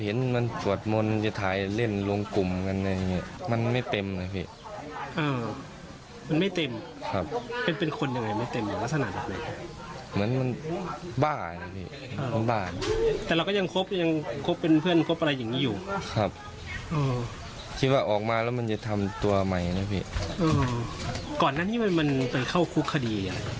เออก่อนนั้นนี่มันไปเข้าคุกคดีอย่างไร